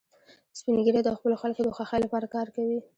سپین ږیری د خپلو خلکو د خوښۍ لپاره کار کوي